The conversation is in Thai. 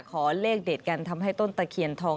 ขอเลขเด็ดกันทำให้ต้นตะเคียนทอง